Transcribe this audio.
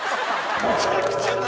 むちゃくちゃな。